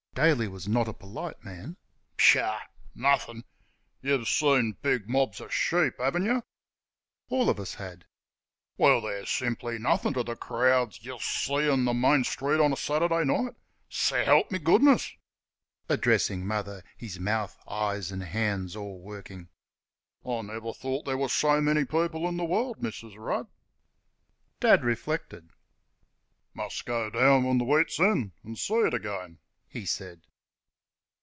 (Daly was not a polite man). "Pshaw! Nothing! ... You've seen big mobs of sheep, haven't y'?" (All of us had.) "Well, they're simply nothing to th' crowds y'll see in the main street on a Saturd'y night. S' 'elp me goodness!" (addressing Mother his mouth, eyes, and hands all working) "I never thought there was so many people in the world, Mrs. Rudd!" Dad reflected. "Must go down when th' wheat's in, an' see it again," he said.